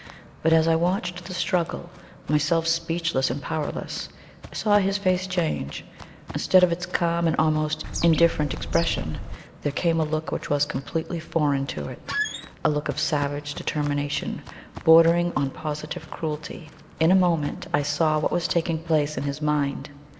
But as I watched the struggle, myself speechless and powerless, I saw his face change. Instead of its calm and almost indifferent expression, there came a look which was completely foreign to it a look of savage determination bordering on positive cruelty. In a moment I saw what was taking place in his mind.